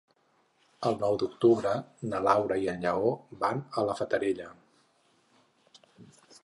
El nou d'octubre na Laura i en Lleó van a la Fatarella.